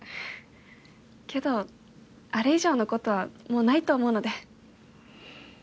けどあれ以上のことはもうないと思うので。